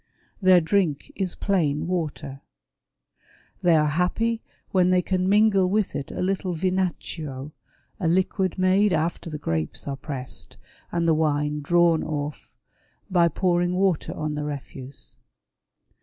Their drink is plain water. They are happy when they can mingle with it a little vinaccio, a liquid made after the grapes are pressed, and the wine drawn ofi", by pouring water on the refuse.